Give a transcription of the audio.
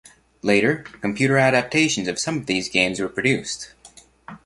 Later, computer adaptations of some of these games were produced.